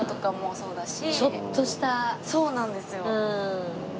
そうなんですよ。